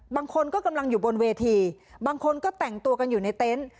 บางคนก็กำลังอยู่บนเวทีบางคนก็แต่งตัวกันอยู่ในเต็นต์